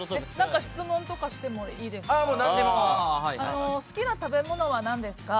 質問とかしてもいいですか。